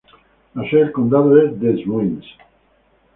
La sede del condado es Des Moines.